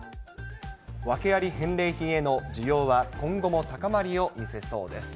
訳あり返礼品への需要は今後も高まりを見せそうです。